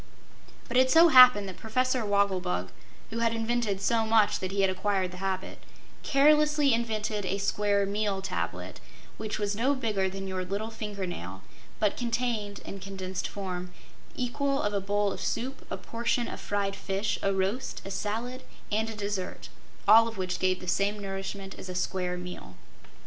But it so happened that Professor Wogglebug (who had invented so much that he had acquired the habit) carelessly invented a Square Meal Tablet, which was no bigger than your little finger nail but contained, in condensed form, the equal of a bowl of soup, a portion of fried fish, a roast, a salad and a dessert, all of which gave the same nourishment as a square meal.